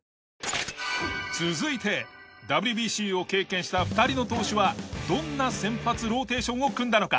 続いてＷＢＣを経験した２人の投手はどんな先発ローテーションを組んだのか？